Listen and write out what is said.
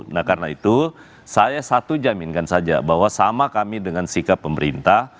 nah karena itu saya satu jaminkan saja bahwa sama kami dengan sikap pemerintah